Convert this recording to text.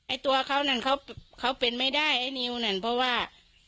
ตัวเขานั่นเขาเป็นไม่ได้ไอ้นิวนั่นเพราะว่า